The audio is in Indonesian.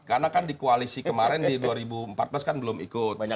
karena di koalisi kemarin di dua ribu empat belas kan belum ikut